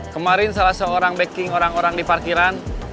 kemarin salah seorang backing orang orang di parkiran